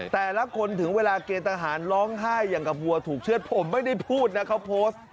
แต่ละคนถึงเวลาเกณฑ์ทหารร้องไห้อย่างกับวัวถูกเชื่อดผมไม่ได้พูดนะเขาโพสต์